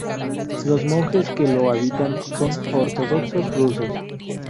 Los monjes que lo habitan son ortodoxos rusos.